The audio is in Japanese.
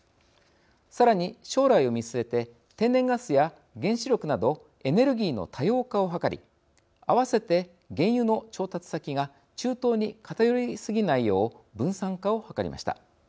さらに将来を見据えて天然ガスや原子力などエネルギーの多様化を図り合わせて原油の調達先が中東に偏りすぎないよう分散化を図りました。